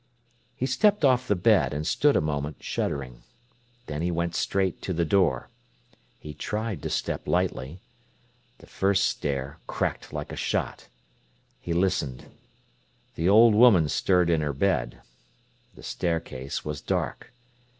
He stepped off the bed, and stood a moment, shuddering. Then he went straight to the door. He tried to step lightly. The first stair cracked like a shot. He listened. The old woman stirred in her bed. The staircase was dark.